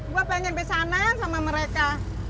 gue pengen kesana sama mereka